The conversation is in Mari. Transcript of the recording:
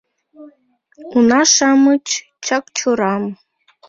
Уна-шамыч Чакчорам